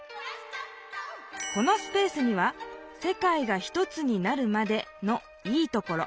このスペースには「世界がひとつになるまで」の「いいところ」。